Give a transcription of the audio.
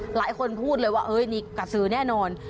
หลายคนพูดว่าเฮ้ยนี่กระซือแน่นอน